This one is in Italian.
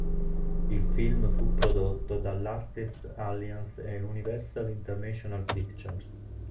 Il film fu prodotto dall' Artists Alliance e Universal International Pictures.